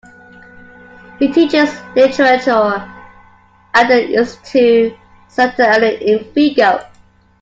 He teaches literature at the "Instituto Santa Irene" in Vigo.